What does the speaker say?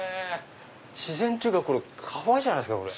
自然っていうか川じゃないですか。